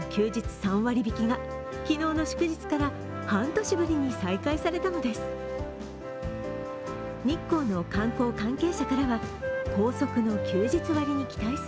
３割引きが昨日の祝日から半年ぶりに再開されたのです。